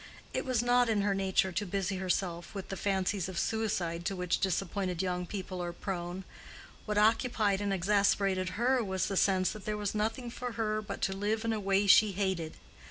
It was not in her nature to busy herself with the fancies of suicide to which disappointed young people are prone: what occupied and exasperated her was the sense that there was nothing for her but to live in a way she hated.